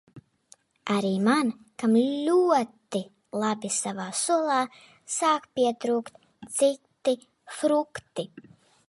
Arī man, kam ļoti labi savā sulā, sāk pietrūkt citi frukti.